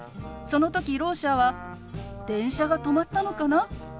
その時ろう者は「電車が止まったのかな？